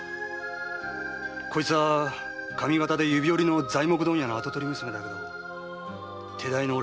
こいつは上方で指折りの材木問屋の跡取り娘だけど手代の俺と惚れあう仲になった。